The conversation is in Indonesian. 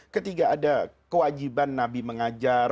ketiga ada kewajiban nabi mengajar